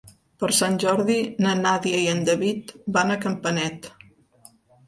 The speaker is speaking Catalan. Per Sant Jordi na Nàdia i en David van a Campanet.